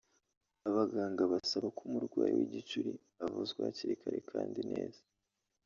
Abaganga basaba ko umurwayi w’igicuri avuzwa hakiri kare kandi neza